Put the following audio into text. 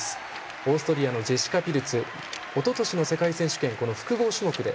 オーストリアのジェシカ・ピルツおととしの世界選手権この複合種目で。